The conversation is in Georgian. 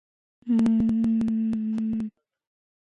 მდინარე ყლიჩის აუზში ყველაზე დიდი მყინვარია.